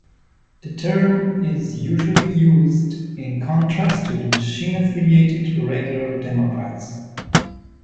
The term is usually used in contrast with machine-affiliated Regular Democrats.